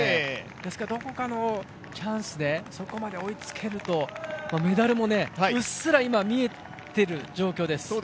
ですからどこかのチャンスでそこまで追いつけるとメダルもうっすら今、見えている状況です。